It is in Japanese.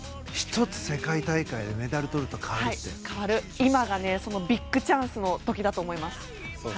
１つ、世界大会でメダルをとると今がそのビッグチャンスの時だと思います。